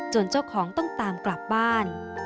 เจ้าของต้องตามกลับบ้าน